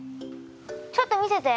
ちょっと見せて。